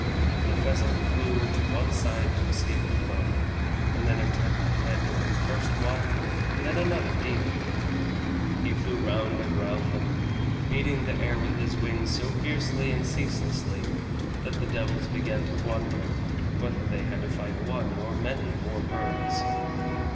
The pheasant flew to one side to escape the blow, and then attacked the head of first one and then another demon. He flew round and round them, beating the air with his wings so fiercely and ceaselessly, that the devils began to wonder whether they had to fight one or many more birds.